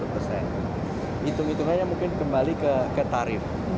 hitung hitungannya mungkin kembali ke tarif